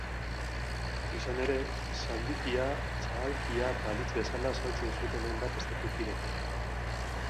Izan ere, zaldikia txahalkia balitz bezala saltzen zuten hainbat estatu kidetan.